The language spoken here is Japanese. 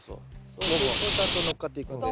そうするとちゃんとのっかっていくんで。